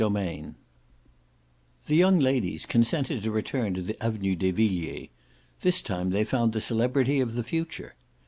III The young ladies consented to return to the Avenue des Villiers; and this time they found the celebrity of the future.